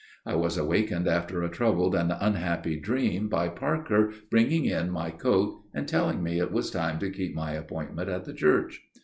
I was wakened after a troubled and unhappy dream by Parker bringing in my coat and telling me it was time to keep my appointment at the church.